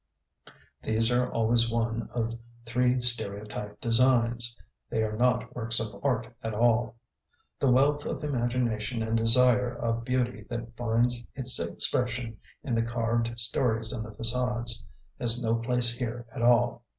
These are always one of three stereotyped designs; they are not works of art at all. The wealth of imagination and desire of beauty that finds its expression in the carved stories in the façades has no place here at all.